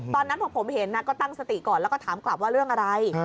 ตอนนั้นพอผมเห็นก็ตั้งสติก่อนแล้วก็ถามกลับว่าเรื่องอะไร